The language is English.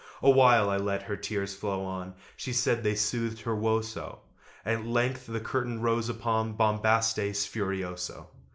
A while I let her tears flow on, She said they soothed her woe so! At length the curtain rose upon 'Bombastes Furioso.'